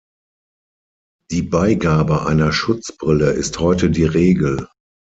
Die Beigabe einer Schutzbrille ist heute die Regel.